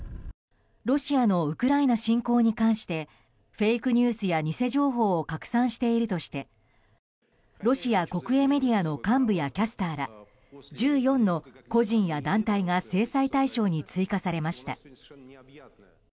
ロシアのウクライナ侵攻に関してフェイクニュースや偽情報を拡散しているとしてロシア国営メディアの幹部やキャスターら１４の個人や団体が制裁対象に追加されました。